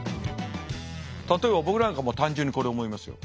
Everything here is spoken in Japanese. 例えば僕なんかは単純にこれ思いますよ。